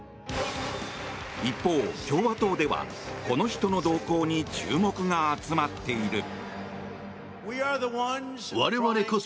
一方、共和党ではこの人の動向に注目が集まっている。